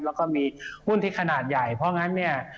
แล้วก็มีหุ้นที่ขนาดใหญ่เพราะงั้นเนี่ย